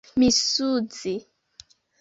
misuzi